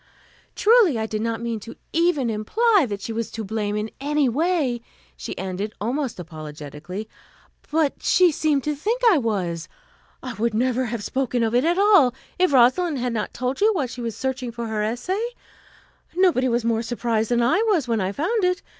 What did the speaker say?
"Truly, I did not mean to even imply that she was to blame in any way," she ended, almost apologetically, "but she seemed to think I was. I would never have spoken of it at all, if Rosalind had not told you while she was searching for her essay. Nobody was more surprised than I was when I found it.